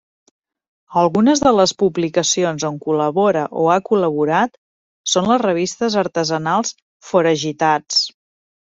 Algunes de les publicacions on col·labora o ha col·laborat són les revistes artesanals Foragitats.